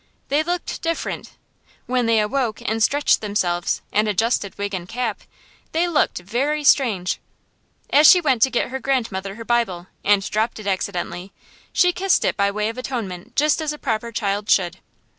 They looked different. When they awoke and stretched themselves and adjusted wig and cap, they looked very strange. As she went to get her grandmother her Bible, and dropped it accidentally, she kissed it by way of atonement just as a proper child should.